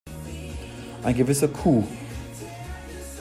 Ein gewisser Qu.